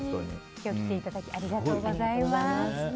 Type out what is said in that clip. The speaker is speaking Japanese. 今日、来ていただいてありがとうございます。